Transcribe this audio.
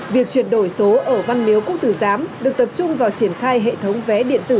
việc chuyển đổi số ở văn miếu quốc tử giám được tập trung vào triển khai hệ thống vé điện tử